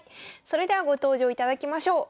それではご登場いただきましょう。